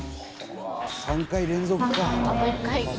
３回連続か。